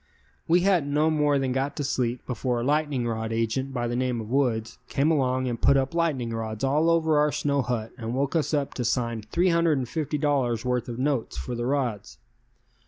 We hadn't no more than got to sleep before a lightning rod agent by the name of Woods came along and put up lightning rods all over our snow hut and woke us up to sign $350 worth of notes for the rods.